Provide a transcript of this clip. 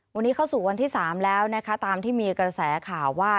วันนี้เข้าสู่วันที่๓แล้วนะคะตามที่มีกระแสข่าวว่า